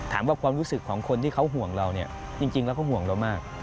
ความรู้สึกของคนที่เขาห่วงเราเนี่ยจริงแล้วเขาห่วงเรามาก